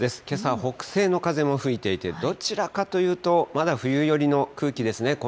けさ、北西の風も吹いていて、どちらかというと、まだ冬寄りの空気ですね。